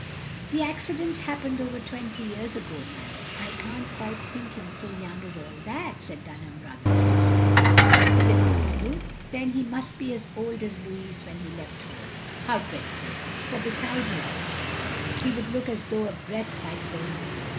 " "The accident happened over twenty years ago, ma'am; I can't quite think him so young as all that," said Dunham, rather stiffly. "Is it possible? Then he must be as old as Louis when he left home! How dreadful! for beside him he would look as though a breath might blow him away.